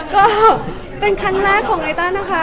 ก็เป็นครั้งแรกของลิต้านะคะ